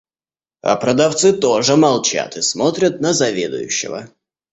А продавцы тоже молчат и смотрят на заведующего.